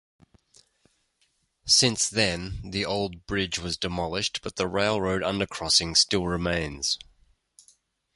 Since then, the old bridge was demolished but the railroad undercrossing still remains.